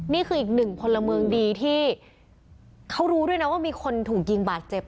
นี่คืออีกหนึ่งพลเมืองดีที่เขารู้ด้วยนะว่ามีคนถูกยิงบาดเจ็บ